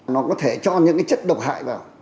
nó có thể cho những chất độc hại vào